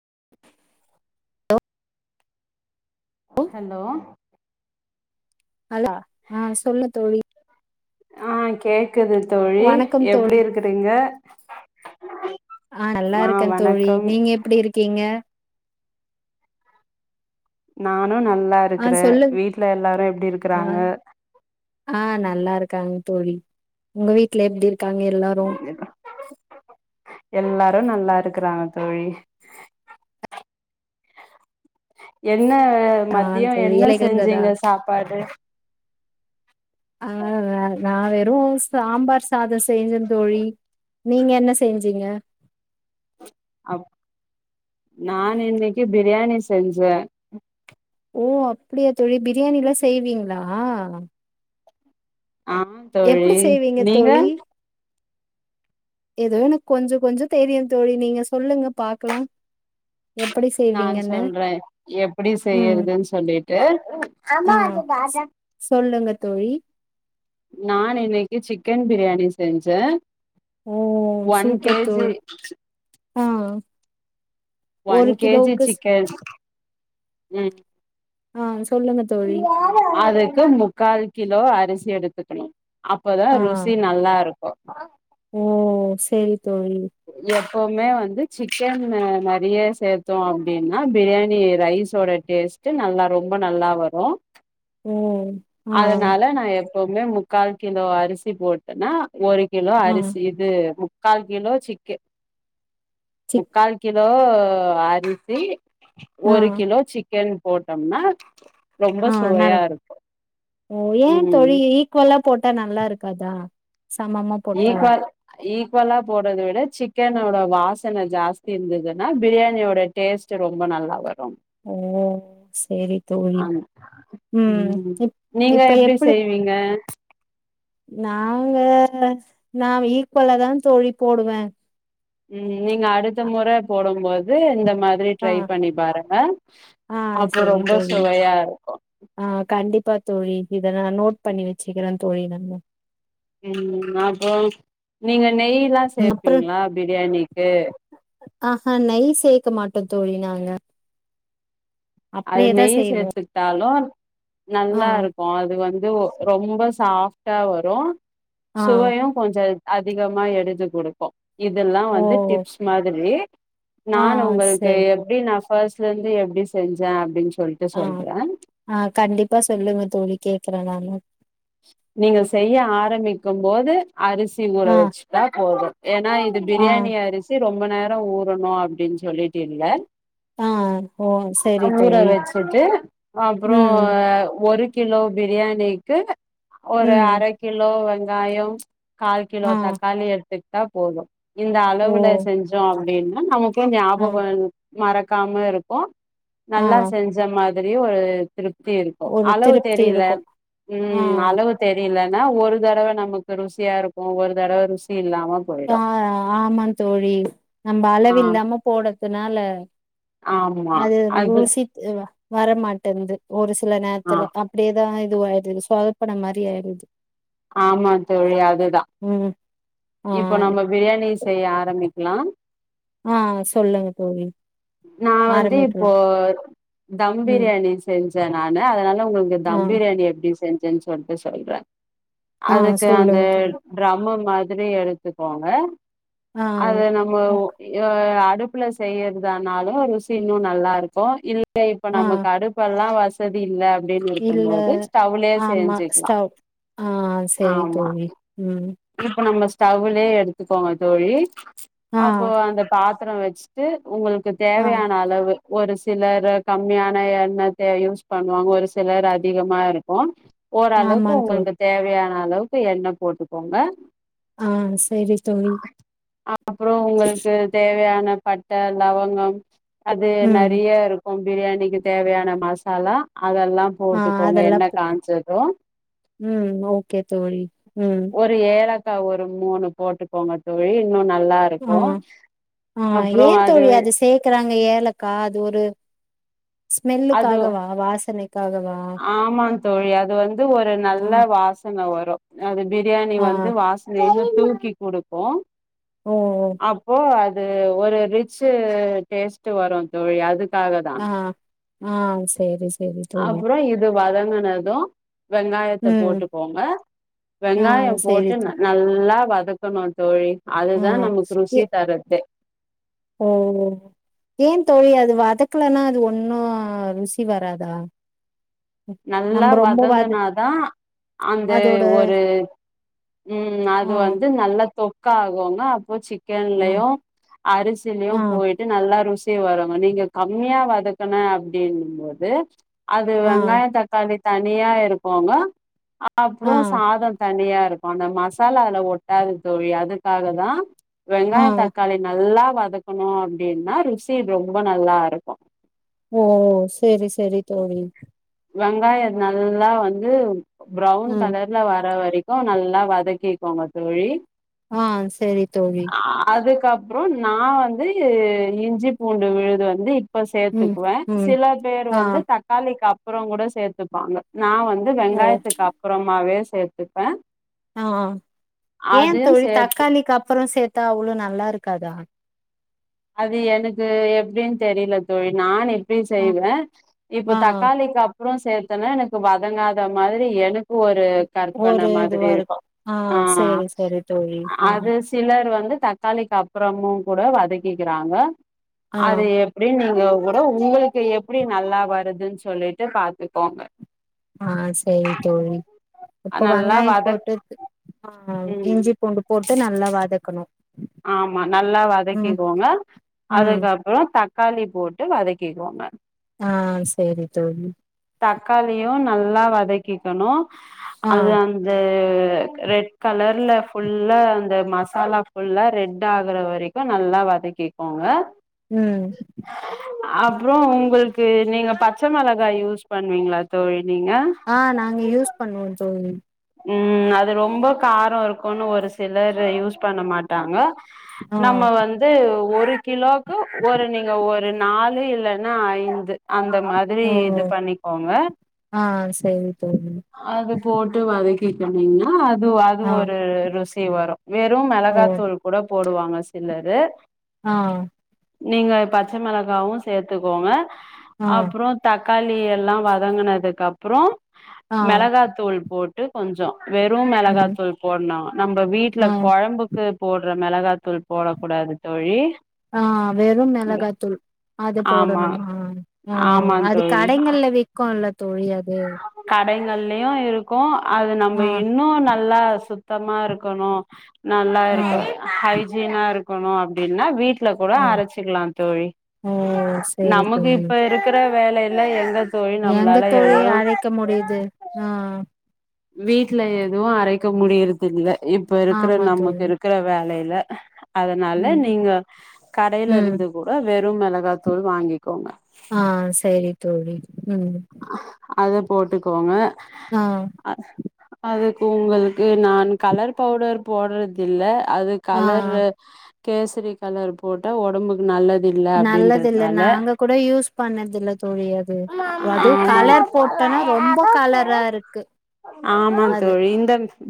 [unintelligible] [inaudible] hello நல்லா ஆ சொல்லு தோழி ஆ கேக் க்குது தோழி வணக்கம் தோழி எப்படி இருக்குறீங்க நல்லா ஆ இருக்கே தோழி வணக்கம் நீங்க எப்டி இருக்கீங்க நா நா நல்லா ஆ இருக்குறே சொல்லு வீட்டுல எல்லாரு எப்படி ஆ இருக்குறாங்க க்காங் தோழி உங்க வீட்ல எப்டிருக் [unintelligible] எல்லாரு நல்லா இரு க்கறாங்க தோழி என்ன ஆ மத்தியோ தோழி என்ன வேலை இருந்ததா செஞ்சீங்க சாப்பாடு ஆ ந நா வெறு சாம்பார் சாதோ செய்ஞ்சே தோழி நீங்க என்ன செஞ்சீங்க அப் நானு இன்னிக்கி பிரியாணி செஞ்சே ஓ அப்டியா தோழி பிரியாணிலா செய்வீங்ளா ஆம் தோழி செய்வீங்க நீங்க எதோ எனுக் கொஞ்சோ கொஞ்சோ தெரியுந் தோழி நீங்க சொல்லுங்க பாக்லா நான் சொல்றே எப்படி ம் செய்யறதுன்னு சொல்லிட்டு ஆ சொல்லுங்க தோழி நான் இன்னைக்கு சிக்கன் பிரியாணி செஞ்சே ஓ ஒன் கே ஜி ஹோ ஒன் கே ஜி சிக்கன் உம் ஆஹ் சொல்லுங்க தோழி க்கு முக்கால் கிலோ அரிசி எடுத்துக்கணு அப்போதா ஆ ருசி நல்லா இருக்கு [inaudible] ஓ சரி தோழி ப்பவுமே வந்து சிக்கன் நெறைய சேத்தோ அப்டின்னா பிரியாணி ரைஸோட டேஸ்ட் நல்லா ரொம்ப நல்லா வரு ம் அதனால நா எப் ப்பவுமே முக்கால் கிலோ அரிசி போட்டன்னா ஒரு கிலோ ஆ அரிசி இது கால் கிலோ சிக்கு சிக் முக்கால் கி கிலோ அரிசி ஆ ஒரு கிலோ சிக் கன் போட்டோம்னா ரொம்ப ஆ நல் சுவையா இருக்கும் ஓ ஏன் தோழி ஈக்குவலா போட்டா நல் நல்லாருக்காதா சமமா போட்டா ஈக்வல் ஈக்குவலா போடுறத விட சிக்கனோட வாசன ஜாஸ்தி இருந்ததுன்னா பிரியாணியோட டேஸ்ட் ரொம்ப நல்லா வரும் ஓ சேரி தோழி ஆமா உம் ம் இப் நீங்க இப்ப எப்டி எப்பிடி செய்வீங்க நாங்க நான் ஈக்குவலா தான் தோழி போடுவேன் உம் நீங்க அடுத்த முறை போடம் போது து இந்த மாரி ஆ ட்ரை பண்ணி பாருங்க ஆ அப்போ செரி ரொம்ப தோழி சுவையா இருக்கும் ஆ கண்டிப்பா தோழி இத நான் நோட் பண்ணி வச்சுக்கறேன் தோழி நானு உம் அப்போ நீங்க நெய்ல்லா அப்புறம் சேப்பீங்களா பிரியாணிக்கு ஆஹா நெய் சேக்க மாட்டோம் தோழி நாங்க அது அப்படியேதா நெய் செய்வோ சேத்துகிட்டாலும் ஆ நல்லாருக்கும் அது வந்து ரொம்ப சாஃப்ட்டா வரு ஆ சுவையும் கொஞ்ச அதிகமா எடு்த்து குடுக்கும் இதெல்லாம் ஓ வந்து டிப்ஸ் மாதிரி ஆ நான் உங்களுக்கு சரி எப்டி நான் ஃபஸ்ட்ல இருந்து எப்டி செஞ்சேன் அப்டின்னு சொ ஆஹ் ஆஹ் கண்டிப்பா சொல்லுங்க தோழி கேக்குறேன் நானும் நீங்க செய்ய ஆரம்பிக்கும்போது அரிசி ஊர ஆ வச்சுட்டா போது ஏன்னா இது ஆ பிரியாணி அரிசி ரொம்ப நேரொ ஊறணு அப்டின் சொல்லிட்டு இல்ல ஆ ஓ சரி ஊற தோழி வச்சுட்டு அப்ரோ ம் ஒரு கிலோ பிரியாணிக்கு ஒரு ம் அர கிலோ வந்து காயம் கால் கிலோ ஆ தக்காளி எடுத்துக் கிட்டா போது இந்த ஓ அளவுல செஞ்சோ அப்டின் நமக் கே ஆ ஞாபகொ [unintelligible] மறக்காம இருக்கு ஆ நல்லா செஞ்ச மா திரி ஒரு திருப்தி இருக்கு ஒரு அளவு திருப்தி தெரில இருக்கு ம் ஆ ம் அளவு தெரி லன்னா ஒரு தரவ நமக்கு ருசியாருக்கு ஒரு தரவ ருசி இல்லாம ஆ போயிடு ஆமா தோழி நம்ம ஆ அளவு இல்லாம போடறதுனால அது ருசி ஆ வரமாட்டேன்து ஒரு சி சில ஆ நேரத்துல அப்டேதா ஆயி இதுவாயிருது சொதப்பன மாரி ஆயிருது ஆமாந் தோழி அதுதா ஆ இப்போ நம்ம பிரியாணி செய்ய ஆரம்பிக் க்லா ஆ சொல்லுங்க தோழி நா வந்து ஆரம்பிக்கலா இப்போ தம் ம் பிரியாணி செஞ் சே நானு அதனால [unintelligible] உங்களுக்கு ஆ தம் பிரியாணி எப்டி செஞ் சே சொல்ட்டு சொல்றே ஆ அதுக்கு அந்த சொல்லுங்க தோழி டிரம்மு திரி எடுத்துக்கோங்க ஆ அது நம்ம ஒ ஒக் ஏ ஆ அடுப்புல செய்யறதானாலு ருசி இன்னு நல்லா இருக்கோ இல் ல இப்ப ஆ நமக்கு அடுப்பெல்லா வஸ் சதி இல்ல அப்டின்னு இல்ல இருக்கும்போது ஸ்டவ்லயே ஆமா செஞ்சுக்கலா ஸ்டவ் ஆஹ சேரி ஆமா தோழி உம் இப்ப நம்ம ஸ்டவ்லேயே எடுத்துக்கோங்க தோழி ஆ அப்போ அந்த பாத் தரம் வெச்சுட்டு உங்களுக் கு ஆ தேவையான அளவு ஒரு சிலரு கம்மியான எண்ணெத்த யூஸ் பண்ணுவாங் ஒரு சிலர் அதிகமா இருக்கோ ஆமா ஓரளவுக்கு தோழி உங்களுக்கு தேவையா அளவுக்கு எண்ண போட்டுக்கோங்க ஆ சேரி தோழி அப்புறோ உங்களுக்கு தேவையான அ பட்ட லவங்கம் அது ம் நெறைய இருக்கும் பிரியாணிக்கு தேவையான மசாலா அதெல்லாம் ஆ போட்டுக்கோங்க அதெல்லா எண்ண போ காஞ்சதோ ம் ஓகே தோழி ம் ஒரு ஏலக் கா ஒரு மூணு போட்டுக்கோங்க தோழி இன்னு நல்லா ஆஹ இருக்கு ஆஹ ஏன் தோழி அது சேக்கறாங்க ஏலக்கா அது ஒரு அது ஸ்மெல்லுக்காகவா வாசனைக்காகவா ஆமா தோழி அது வந்து ஒரு ஆ நல்லா வாசன வரோ அது பிரியாணி ஆ வந்து வாசனையாவு தூக்கி குடுக்கோ ஓ ஓ அப்போ அ ஒரு ரிச்சி டேஸ்ட் வரோ தோழில் அதுக் க்காக தான் ஆஹ் சேரி சேரி தோழி வாதங்குனதோ வெங்காயத்த ம் போட்டுக்கோங்க ஆ வெங்காயோ சேரி போட்டு தோ நல்லா வதக்கணும் தோழி ஆ அதுதா நமக்கு ருசி ஏ தர்றதே ஓ ஏன் தோழி அது வா வதக்குலனா அது ஒன்னோ ருசி வராதா நல்லா நம்ம ரொம்ப வது வதங்கனாதா அந்த அதோட ஒரு உம் ஆ அது வந்து நல்லா தொக் காகுங்க அப்போ சிக் ஆ லும் ஆ அரிசியிலயும் போயிட்டு நல்லா ருசி வருங்க நீங்க கம்மியா வதக்கண அப்படின்னும்போது அது ஆ வெங்கா தனி தனியா இருப்பாங்க அப்புற ஆ சாதம் தனியா இருக்கு அந்த மசாலால ஒட்டாது தோழி அதுக்காக தா ஆ வெங்காய தக்காளி நல்லா வதக்கணு அப்படின்னா ருசி ரொம்ப நல்லா இருக்கு ஓ சரி சரி தோழி வெங்காய நல்லா வந்து ப்ரௌன் ம் கலர்ல வர வரைக் கு நல்லா வதக்கிக்கோங்க தோழி ஆஹ் சரி தோழி க்கப்புறம் நா வந்து இஞ்சி பூண்டு விழுது வந்து இப்ப ம் சேத்துக்குவே ம் சில பேர் ஆ வந்து க்கு அப்புறம் கூட சேத்துப்பாங்க நா வந்து ஓ வெங்காயத்துக்கு அப்புறமாவே சே சேத்துப்ப ஆ ஆஹ் ஏந் தோழி சேத்து தக்காளிக்கு அப்புற சேத்தா அவ்ளோ நல்லா இருக்காதா அது எனக்கு எப்படின்னு தெரில தோழி நானு ப்படி ஆ செய்வே இப்ப ஆ தக்காளிக்கு அப்ற சேத்தனா எனக்கு வதங்காத மாதிரி எனக்கு ஒரு ஒரு கற்பன மாதிரி இதுவா இருக்கு ஆ ஆஹ் சேரி சேரி தோழி ஆ அது சிலர் வந்து தக்காளிக்கு அப்புறமு கூட வதக் கிக்கிறாங்க ஆ அது எப்படினு நீங்க கூட உங்குளுக்கு எப்படி நல்லா வருதுன் சொல்லிட்டு பாத்துக்கோங்க ஆஹ் சரி தோழி இப்ப நல்லா வெங்காயம் வதக் போட்டு ஆஹ் ம் இஞ்சி பூண்டு போட்டு நல்லா வதக்கணு ஆமா நல்லா ம் வதக்கிக்கோங்க ம் அதுக்கப்புறம் தக் காளி போட்டு வதக்கிக்கோங்க ஆஹ் சரி தோழி தக்காளியு நல்லா வதக்கிக்கணு ஆ அது அந்த ரெட் கலர்ல ஃபுல்லா அந்த மசாலா ஃபுல்லா ரெட் ஆகுற வரைக்கு நல்லா வதக்கிக்கோங்க ம் அப்புறம் உங்களுக்கு நீங்க பச்ச மிளகாய் யூஸ் பண்ணுவீங்களா தோழி நீங்க ஆ நாங்க யூஸ் பண்ணுவோம் தோழி உம் அது ரொம்ப காரம் இருக்கும்னு ஒரு சிலர் யூஸ் பண்ண மாட்டாங்க ஆ நம்ம வந்து ஒரு கிலோ கு ஒரு நீங்க ஒ ரு நாலு இல்லன்னா ஐந்து அந்த மாதிரி ஓ இது பண்ணிக்கோங்க ஆ சேரி தோழி அது போட் அதுக்கே கம்மினா அது அது ஆ ஒரு ருசி வரு வெறும் ஓ மெளகாத்தூள் கூட போடுவாங்க சிலரு ஆ நீங்க பச்ச மெளகாவு சேத்துக்கோங்க ஆ அப்றோ தக் காளி எல்லா வதங்கனதுக்கு அப்பறோ ஆ மெளகாத்தூள் போட்டு கொஞ்சோ வெறு ம் மெளகாத்தூள் போட்னு நம்ப ஆ வீட்ல கொழம்புக்கு போட்ற மெளகா ஆ வெறும் மிளகாய்த்தூள் அது ஆமா போடணுமா ஆ ஆமா அது தோழி கடைகள்ல விக்குல்ல தோழி அது கடைங்கள்லயும் இருக்கும் அது நம்ம ஆ இன்னும் நல்லா சு சுத்தமா இருக்கணும் நல்லா ஆ இருக்கு ஹை கிளினா இருக்கணும் அப்படின்னா வீட் இதுல கூட ஆ அரைச்சிக்கலாம் தோழி ஓ சரி நமக்கு தோழி இப்ப இருக்கிற வேலை இல்ல எந் தோழி நம்மளால தோழிய எதுவு அழைக்க முடியுது ஆ வீட்டுல எதுவும் அரைக்க முடியறது இல்லை இப்ப இருக்கிற ஆமா நமக்கு தோழி இருக்கிற வேலை இல்ல அதனால ம் நீங்க கடையில ம் இருந்து கூட வே னி மிளகாத்தூள் வாங்கிக்கோங்க ஆ சேரி தோழி ம் அத போட்டுக்கோங்க ஆ அ அது உங்களுக்கு நான் கலர் பவுடர் போடுறதில்ல அது ஆ கலரு கேசரி கலர் போட்ட உடம்புக்கு நல்ல நல்லது இல்ல நாங்க கூட யூஸ் பண்ணதில்ல தோழி அது அதுவும் கலர் ஆமாம் போட்டோனா ரொம்ப கலரா இருக்கு ஆமா அது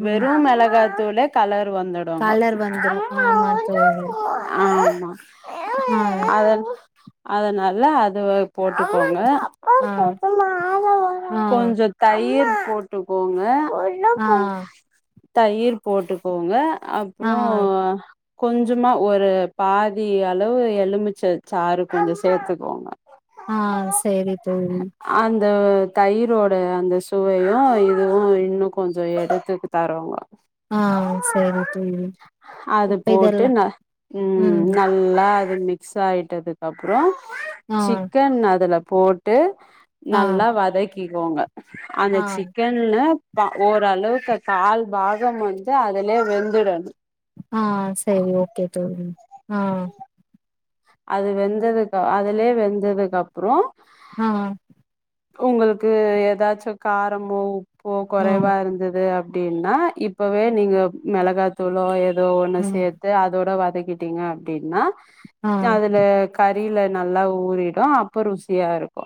ம் தூள கலர் வந்துடுங்க கலர் வந்துரு ஆமா தோழி ஆ அத அதனால அது போட்டுக்கோங்க ஆ ஆ கொஞ்சம் தயிர் போட்டுக்கோங்க ஆ தயிர் போட்டுக்கோங்க ஆ அப்றோ கொஞ்சமா ஒரு பாதி அளவு எலுமிச்சச்சாறு கொஞ்சொ சேத்துக்கோங்க ஆ சேரி தோழி அந்த தயிரோட அந்த சுவையு இதுவு இன்னு கொஞ்சொ எடுத்துக் தரோவா ஆ சரி தோழி அது இப்ப போட்டு இதெல்லா ந ம் நல்லா அ மிக்ஸாயிட்டதுக்கப்றோ ஆ சிக்கன் அதுல போட்டு ஆ நல்லா வதகி கோங்க ஆ அந்த சிக்கன்னு ப ஓரளவுக்கு கால் பாகம் வந்து அதுலே வெந்துடணு ஆ சரி ஓகே தோழி ஆ அது வெந்ததுக்க அதுலே வெந்ததுக்கப்றோ ஆ உங்களுக்கு ஏதாச்சு காரமோ போ ஆ கொறைவா இருந்துது அப் ப்டினா இப்பவே நீங்க மெளகாத்தூளோ ஏ தோ ஒண்ண ம் சேத்து அதோட வதக் கிட்டீங்க அப்டின்னா ஆ சா அதுல கறில நல்லா ஊறிடு அப்ப ருசியா இருக்கு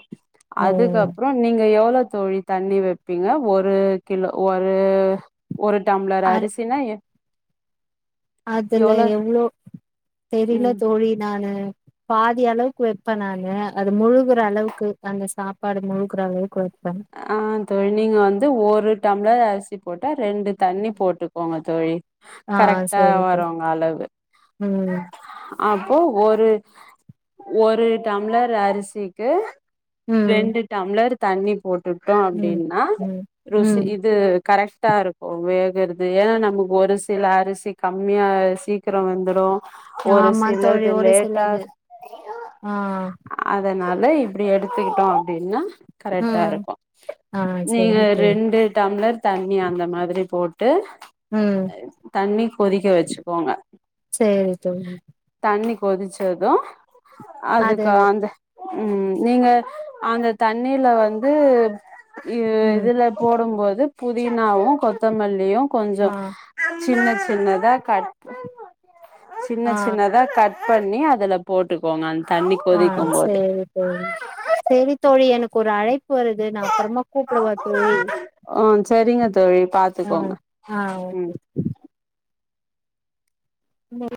ஓ அதுக்கப்றோ நீங்க எவ் ளோ தோழி தண்ணி வெப்பீங்க ஒரு கிலோ ஒரு ஒரு டம்ளர் அர் அரிசினா எ அதுல எவ்ளோ தெரில ம் தோழி நானு பாதி அளவுக்கு வெப்ப நானு அது முழுகுற அளவுக்கு அந்த சாப்பாடு முழ்குற அளவுக்கு வெப் ஆ தோழி நீங்க வந்து ஒரு டம்ளர் அரிசி போட்டா ரெண்டு தண்ணி போட்டுக்கோங்க தோழி ஆ கரெக்டா சரி தோழி வருங்க அளவு ம் அ ப்போ ஒரு ஒரு டம்ளர் அரிசிக்கு ம் ரெண்டு டம்ளரு தண்ணி டுட்டோ ம் அப்டின்னா ம் ருசி ம் இது கரெக் டா இருக்கு வேகறது ஏனா நமக்கு ஒரு சில அரிசி கம்மியா சீக்கரோ வெந்துரு ஒரு ஆமா தோழி, சிலது ஒரு லேட்டா சிலது, ஆ ல இப்டி எடுத்துக்கிட்டோ அப்டின்னா கரெக்ட்டா ம் இரு ஆ நீங்க சரி தோழி ரெண்டு ட டம்ளர் தண்ணி அந்த மாதிரி போட்டு ம் அ தண்ணி கொதிக்க வச்சிக்கோங்க சரி தோழி தண்ணி கொதிச்சது அது அதுக்கு அந்த ம் நீங்க அந்த தண்ணில வந் து இது ம் இதுல போடும்போது புதினாவு கொத்தமல்லியு கொஞ்சோ ஆ சின்னச் சின்னதா கட் ஆ சின்னச் சின்னதா கட் பண்ணி அதுல போட்டுக்கோங்க அந் அஹ் சேரி தோழி சேரி தோழி எனக் கோரு அழைப் அழைப்பு வருது நா அப்புறமா கூப்டவா தோழி ஆ சரிங்க தோழி அஹ் பாத்துக்கோங்க அஹ் ஓகே ம் இன்னொரு